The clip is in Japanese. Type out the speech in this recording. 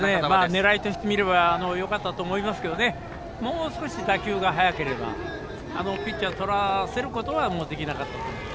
狙いとしてみればよかったと思いますけれどもう少し打球が速ければピッチャーとらせることはできなかったと思います。